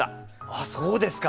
あっそうですか。